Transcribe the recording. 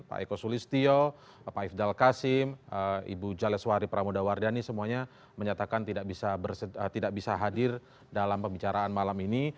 pak eko sulistio pak ifdal qasim ibu jalil suhari pramodawardiani semuanya menyatakan tidak bisa hadir dalam pembicaraan malam ini